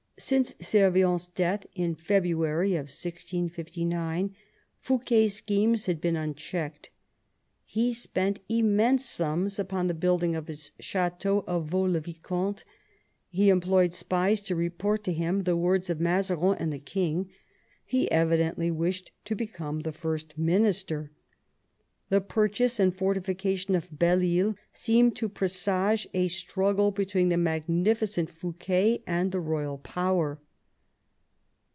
Since Servients death in February 1659, Fouquet's schemes had been unchecked. He spent immense sums upon the building of his chateau of Vaux le Vicomte, he employed spies to report to him the words of Mazarin and the king, he evidently wished to become the First Minister. The purchase and fortifi cation of Belle Isle seemed to presage a struggle between the magnificent Fouquet and the royal power.